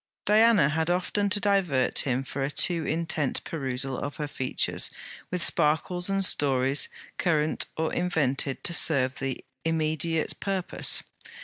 Diana had often to divert him from a too intent perusal of her features with sparkles and stories current or invented to serve the immediate purpose.